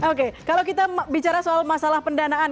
oke kalau kita bicara soal masalah pendanaan